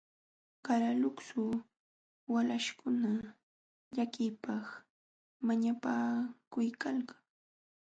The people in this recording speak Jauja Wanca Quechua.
Qalaluksu walaśhkuna llakiypaq mañapakuykalkan.